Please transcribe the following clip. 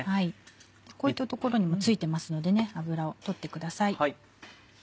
こういった所にもついてますので脂を取ってください。